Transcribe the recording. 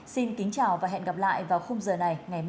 xin kính chào và hẹn gặp lại vào khung giờ này ngày mai